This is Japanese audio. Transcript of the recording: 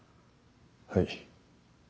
はい。